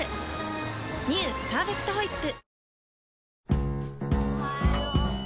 「パーフェクトホイップ」